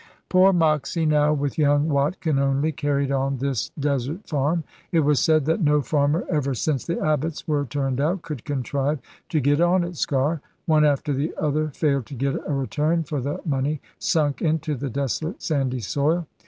Poor Moxy now, with young Watkin only, carried on this desert farm. It was said that no farmer, ever since the Abbots were turned out, could contrive to get on at Sker. One after the other failed to get a return for the money sunk into the desolate sandy soil.